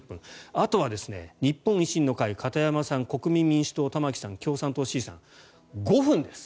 あとは日本維新の会、片山さん国民民主党、玉木さん共産党の志位さん５分です。